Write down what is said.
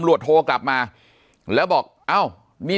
ปากกับภาคภูมิ